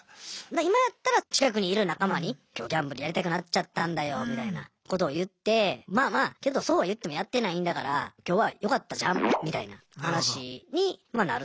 今だったら近くにいる仲間に今日ギャンブルやりたくなっちゃったんだよみたいなことを言ってまあまあけどそうは言ってもやってないんだから今日はよかったじゃんみたいな話にまあなるっすね。